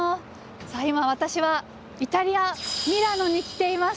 さあ今私はイタリアミラノに来ています。